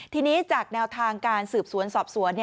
ทีนี้จากแนวทางการสืบสวนสอบสวน